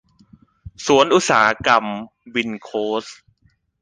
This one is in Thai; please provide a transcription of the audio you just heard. สวนอุตสาหกรรม วินโคสท์